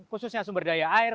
khususnya sumber daya air